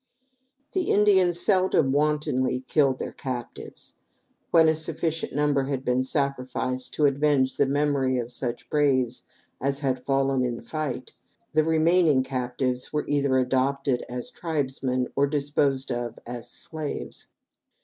The Indians seldom wantonly killed their captives. When a sufficient number had been sacrificed to avenge the memory of such braves as had fallen in fight, the remaining captives were either adopted as tribesmen or disposed of as slaves.